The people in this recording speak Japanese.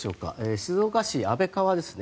静岡市の安倍川ですね。